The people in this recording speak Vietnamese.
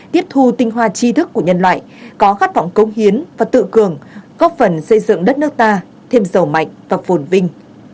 tiếp thu tinh hoa tri thức của nhân loại có khát vọng cống hiến và tự cường góp phần xây dựng đất nước ta thêm giàu mạnh và phồn vinh